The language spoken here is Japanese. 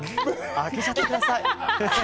開けちゃってください！